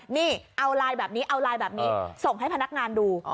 นี่เอาไลน์แบบนี้เอาไลน์แบบนี้ส่งให้พนักงานดู